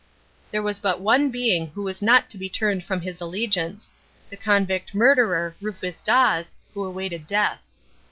There was but one being who was not to be turned from his allegiance the convict murderer, Rufus Dawes, who awaited death.